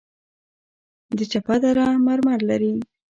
د چپه دره مرمر لري